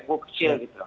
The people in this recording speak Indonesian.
bu kecil gitu